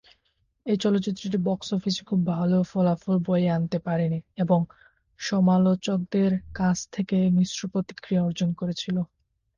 এই চলচ্চিত্রটি বক্স অফিসে খুব একটা ভাল ফলাফল বয়ে আনতে পারেনি এবং সমালোচকদের কাছ থেকে মিশ্র প্রতিক্রিয়া অর্জন করেছিল।